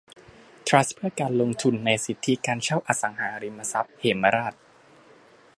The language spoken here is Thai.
ทรัสต์เพื่อการลงทุนในสิทธิการเช่าอสังหาริมทรัพย์เหมราช